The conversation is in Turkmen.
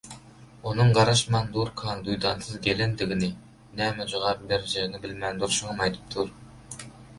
Onuň garaşman durkaň, duýdansyz gelendigini, näme jogap berjegiňi bilmän durşuňam aýdyp dur.